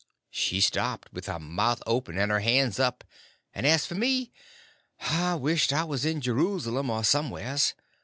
She stopped, with her mouth open and her hands up; and as for me, I wished I was in Jeruslem or somewheres.